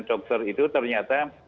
dokter itu ternyata